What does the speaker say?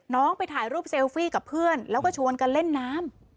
ไปถ่ายรูปเซลฟี่กับเพื่อนแล้วก็ชวนกันเล่นน้ำ